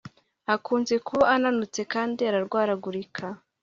akunze kuba ananutse kandi ararwaragurika